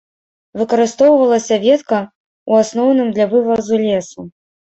Выкарыстоўвалася ветка ў асноўным для вывазу лесу.